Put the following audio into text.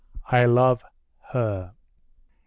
I love her."